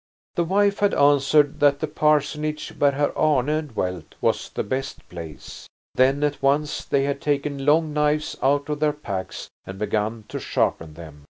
The wife had answered that the parsonage, where Herr Arne dwelt, was the best place. Then at once they had taken long knives out of their packs and begun to sharpen them.